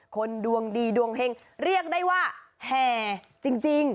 คนดวงดีดวงเฮงเรียกได้ว่าแห่จริง